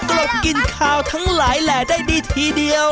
กรบกินขาวทั้งหลายแหล่ได้ดีทีเดียว